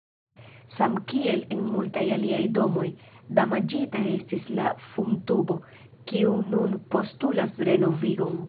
Samkiel en multaj aliaj domoj, damaĝita estis la fumtubo, kiu nun postulas renovigon.